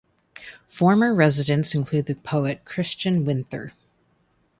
Former residents include the poet Christian Winther.